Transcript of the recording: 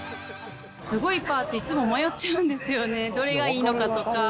すごいいっぱいあって、いっつも迷っちゃうんですよね、どれがいいのかとか。